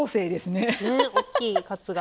ねえ大きいカツが。